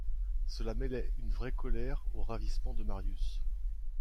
Cela mêlait une vraie colère au ravissement de Marius.